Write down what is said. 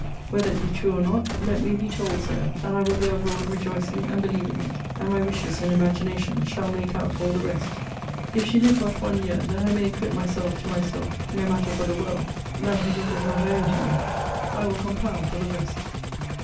Whether it be true or not, let me be told so, and I will go abroad rejoicing and believing it, and my wishes and imaginations shall make out all the rest. If she live but one year, that I may acquit myself to myself (no matter for the world!) that her death is not owing to me, I will compound for the rest.